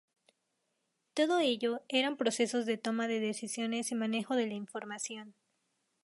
Todo ello eran procesos de toma de decisiones y manejo de la información.